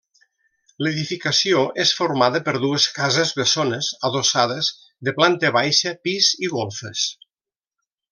L'edificació és formada per dues cases bessones adossades, de planta baixa, pis i golfes.